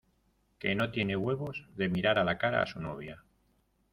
que no tiene huevos de mirar a la cara a su novia